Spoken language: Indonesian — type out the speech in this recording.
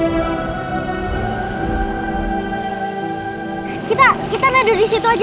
saya tidak akan kena panggilan ini